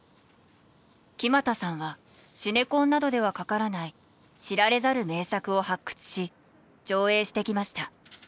木全さんはシネコンなどではかからない知られざる名作を発掘し上映してきました。